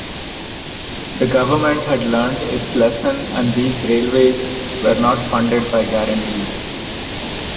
The government had learnt its lesson and these railways were not funded by guarantees.